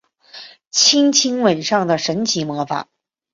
轻轻吻上的神奇魔法